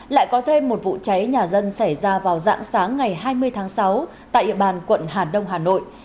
lại có thêm một vụ cháy nhà dân xảy ra vào dạng sáng ngày hai mươi tháng sáu tại địa bàn quận hà đông hà nội